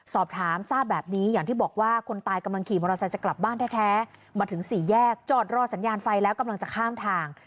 สอบถามทราบแบบนี้อย่างที่บอกว่าคนตายกำลังขี่มอเตอร์ไซค์จะกลับบ้านแท้มาถึงสี่แยกจอดรอสัญญาณไฟแล้วกำลังจะข้ามทาง